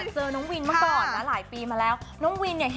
ปีใหม่เที่ยวไหนค่ะ